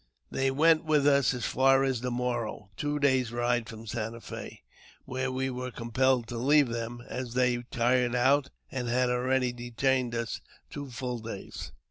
They went with us as far as the Moro, two days' ride from Santa Fe, where we were compelled to leave them, as they were tired out, and had already detained us two full days.